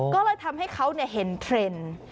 ก็เลยทำให้เขาเห็นเทรนด์